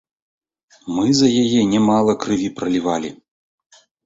Мы за яе нямала крыві пралівалі!